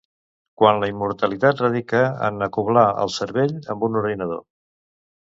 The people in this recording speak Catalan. Quan la immortalitat radica en acoblar el cervell amb un ordinador.